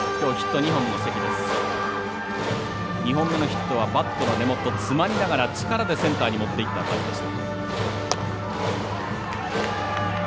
２本目のヒットはバットの根元詰まりながら力でセンターにもっていった当たりでした。